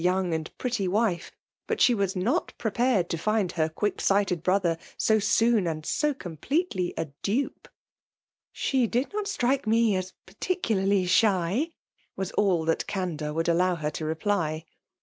yovmg flted pgp^y wife ; but she was not prepared to* 246 FBItALE DOMINATIOK. find her quick sighted brother so soon and so completely a dupe. '' She did not strike me as particularly shy/' ^as all that candour would allow her to reply.